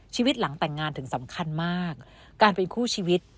ชีวิตหลังแต่งงานถึงสำคัญมากการเป็นคู่ชีวิต